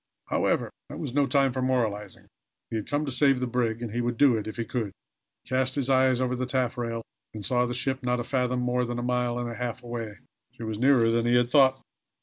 However, that was no time for moralizing. He had come to save the brig, and he would do it if he could. He cast his eyes over the taffrail, and saw the ship not a fathom more than a mile and a half away. She was nearer than he had thought.